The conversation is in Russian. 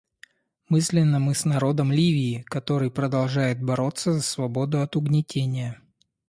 Мысленно мы с народом Ливии, который продолжает бороться за свободу от угнетения.